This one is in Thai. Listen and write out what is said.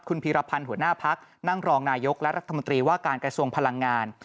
คุณพีรพันธ์หัวหน้าพักนั่งรองนายกและรัฐมนตรีว่าการกระทรวงพลังงาน